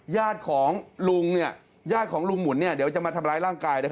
ญาติของลุงญาติของลุงหมุนเดี๋ยวจะมาทำร้ายร่างกาย